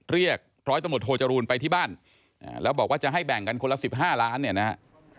เรียกร้อยตำรวจโทจรูลไปที่บ้านแล้วบอกว่าจะให้แบ่งกันคนละ๑๕ล้านเนี่ยนะฮะ